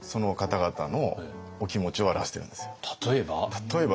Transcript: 例えば？